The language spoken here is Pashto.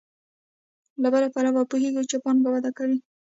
له بل پلوه پوهېږو چې پانګه وده کوي